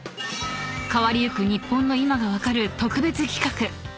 ［変わりゆく日本の今が分かる特別企画］